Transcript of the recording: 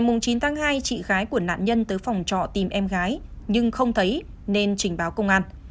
ngày chín tháng hai chị gái của nạn nhân tới phòng trọ tìm em gái nhưng không thấy nên trình báo công an